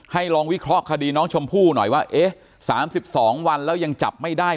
ลองวิเคราะห์คดีน้องชมพู่หน่อยว่าเอ๊ะ๓๒วันแล้วยังจับไม่ได้